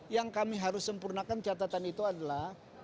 yang kami harus sempurnakan catatan itu adalah